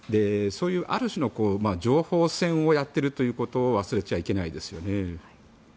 そういうある種の情報戦をやっているということを忘れちゃいけないですよね。